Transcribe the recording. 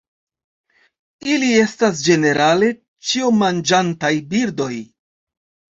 Ili estas ĝenerale ĉiomanĝantaj birdoj.